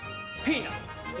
ピーナツ。